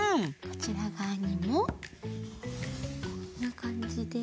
こちらがわにもこんなかんじで。